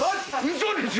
嘘でしょ。